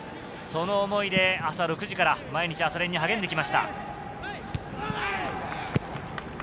その思いで朝６時から毎日朝練に励んできました。